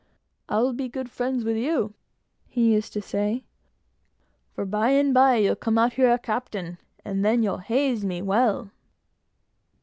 "I'll be good friends with you," he used to say, "for by and by you'll come out here captain, and then you'll haze me well!"